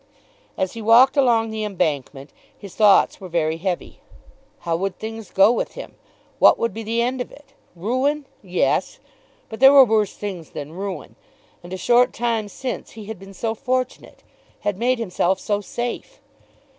As he walked along the Embankment, his thoughts were very heavy. How would things go with him? What would be the end of it? Ruin; yes, but there were worse things than ruin. And a short time since he had been so fortunate; had made himself so safe!